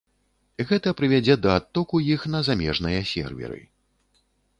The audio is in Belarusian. Гэта прывядзе да адтоку іх на замежныя серверы.